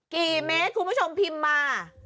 กี่เมตรคุณผู้ชมพิมพ์มา